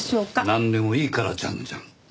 なんでもいいからじゃんじゃん。